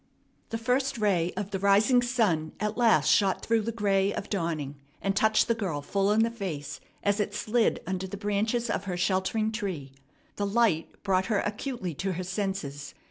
The first ray of the rising sun at last shot through the gray of dawning, and touched the girl full in the face as it slid under the branches of her sheltering tree. The light brought her acutely to her senses.